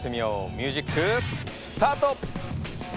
ミュージックスタート！